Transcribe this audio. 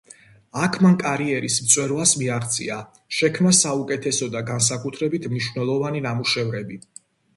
აქ მან კარიერის მწვერვალს მიაღწია, შექმნა საუკეთესო და განსაკუთრებით მნიშვნელოვანი ნამუშევრები.